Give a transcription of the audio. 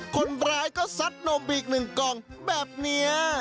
คนร้ายก็ซัดนมไปอีกหนึ่งกล่องแบบนี้